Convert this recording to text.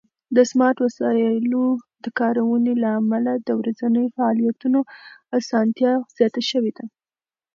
د سمارټ وسایلو د کارونې له امله د ورځني فعالیتونو آسانتیا زیاته شوې ده.